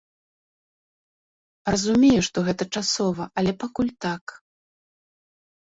Разумею, што гэта часова, але пакуль так.